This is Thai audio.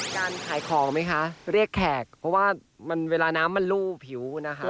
การขายของไหมคะเรียกแขกเพราะว่าเวลาน้ำมันรูผิวนะคะ